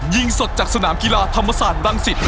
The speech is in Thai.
ยิงสดจากสนามกีฬาธรรมศาลรังศิษย์